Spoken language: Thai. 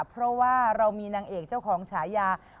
เพราะว่าเรามีนางเอกเจ้าของฉายา